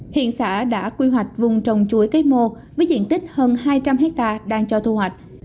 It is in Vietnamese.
hiện xã đã quy hoạch vùng trồng chuối cây mô với diện tích hơn hai trăm linh hectare đang cho thu hoạch